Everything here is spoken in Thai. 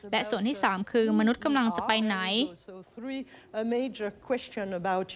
และส่วนที่๓คือมนุษย์กำลังจะไปไหน